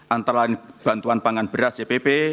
antara lain bantuan pangan beras yapp